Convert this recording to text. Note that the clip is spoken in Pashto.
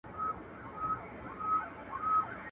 پر بل مخ سوه هنګامه په یوه آن کي.